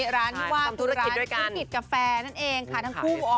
จริงเป็นบัญชีร้านนะครับ